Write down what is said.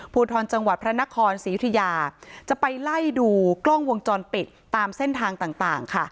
ภูทรจังหวัดพระนครศรียุธยาจะไปไล่ดูกล้องวงจรปิดตามเส้นทางต่างค่ะ